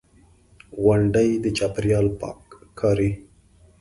غونډې، د چاپېریال پاک کاري.